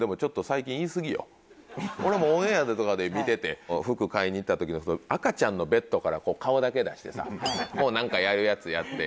俺もオンエアとかで見てて服買いに行った時の赤ちゃんのベッドから顔だけ出してさなんかやるやつやって。